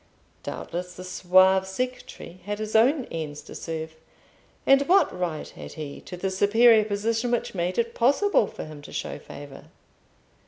Doubtless the suave secretary had his own ends to serve; and what right had he to the superior position which made it possible for him to show favour?